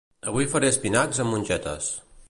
Avui faré espinacs amb mongetes